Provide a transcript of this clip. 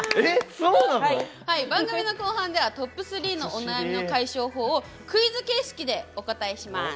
番組の後半ではトップ３のお悩みの解消法をクイズ形式でお答えします。